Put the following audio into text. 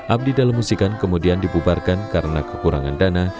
abdi dalemusikan kemudian dibubarkan karena kekurangan dana